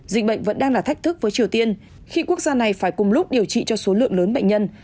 dịch bệnh vẫn đang là thách thức với triều tiên khi quốc gia này phải cùng lúc điều trị cho số lượng lớn bệnh nhân